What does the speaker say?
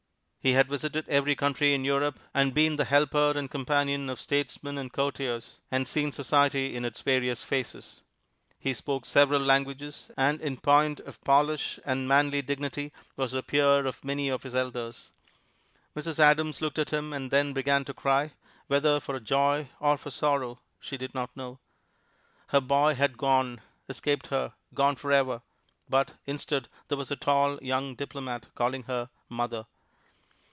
He had visited every country in Europe and been the helper and companion of statesmen and courtiers, and seen society in its various phases. He spoke several languages, and in point of polish and manly dignity was the peer of many of his elders. Mrs. Adams looked at him and then began to cry, whether for joy or for sorrow she did not know. Her boy had gone, escaped her, gone forever, but, instead, here was a tall young diplomat calling her "mother."